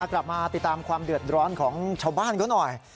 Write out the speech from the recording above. กลับมาติดตามความเดือดร้อนของชาวบ้านเขาหน่อย